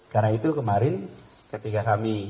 karena itu kemarin ketika kami